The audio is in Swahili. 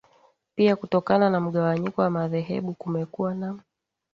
Pia kutokana na mgawanyiko wa madhehebu kumekuwa na